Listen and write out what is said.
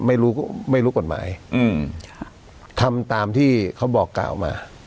ไม่รู้ไม่รู้กฎหมายอืมทำตามที่เขาบอกกล่าวมา